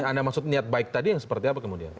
anda maksud niat baik tadi yang seperti apa kemudian